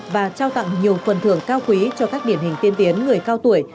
và trao tặng nhiều phần thưởng cao quý cho các điển hình tiên tiến người cao tuổi